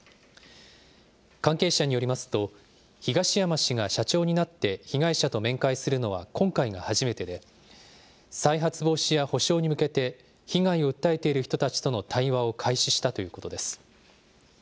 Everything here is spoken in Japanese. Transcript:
関係者によりますと、東山氏が社長になって、被害者と面会するのは今回が初めてで、再発防止や補償に向けて、被害を訴えている人たちとの対話を開始したということです。